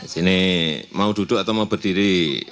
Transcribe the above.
sini mau duduk atau mau berdiri